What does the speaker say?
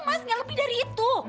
mas engga bisa liat sedikit